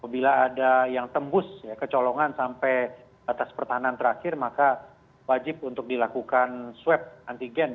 bila ada yang tembus kecolongan sampai batas pertahanan terakhir maka wajib untuk dilakukan swab antigen